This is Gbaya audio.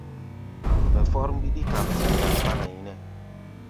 Mɛ fɔ́r mbíɗí kam sɛ̌n ndaa kpána yínɛ́.